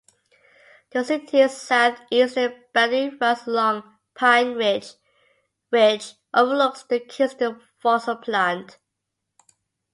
The city's southeastern boundary runs along Pine Ridge, which overlooks the Kingston Fossil Plant.